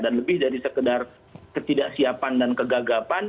dan lebih dari sekedar ketidaksiapan dan kegagapan